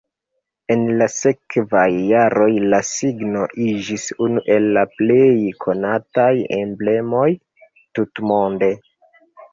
En la sekvaj jaroj la signo iĝis unu el la plej konataj emblemoj tutmonde.